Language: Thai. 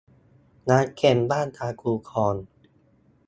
น้ำเค็มบ้างตามคูคลอง